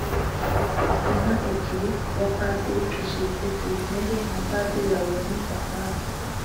inka ebyiri ku bapadiri justin tuyisenge na padiri laurent safari.